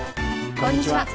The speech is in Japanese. こんにちは。